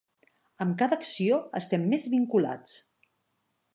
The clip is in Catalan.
Amb cada acció estem més vinculats.